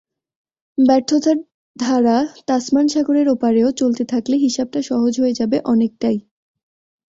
ব্যর্থতার ধারা তাসমান সাগরের ওপারেও চলতে থাকলে হিসাব সহজ হয়ে যাবে অনেকটাই।